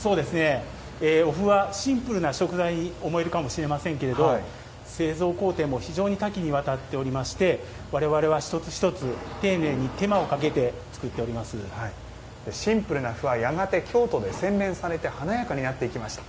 お麩はシンプルな食材に思えるかもしれませんが製造工程も非常に多岐にわたっておりまして我々は一つ一つ、丁寧に手間をかけてシンプルな麩はやがて京都で洗練されて華やかになっていきました。